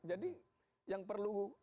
jadi yang perlu kami sampaikan